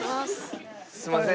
すんません。